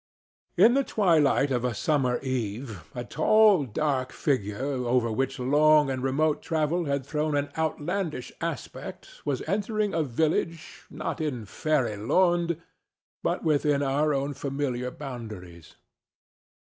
In the twilight of a summer eve a tall dark figure over which long and remote travel had thrown an outlandish aspect was entering a village not in "faëry londe," but within our own familiar boundaries.